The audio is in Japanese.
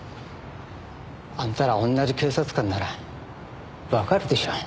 あんたら同じ警察官ならわかるでしょう。